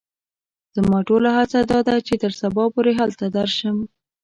زما ټوله هڅه دا ده چې تر سبا پوري هلته درشم.